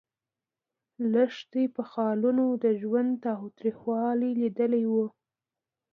لښتې په خالونو د ژوند تریخوالی لیدلی و.